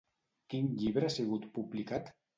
Quin llibre ha sigut publicat?